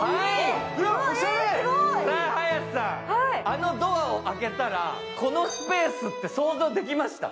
あのドアを開けたら、このスペースって想像できました？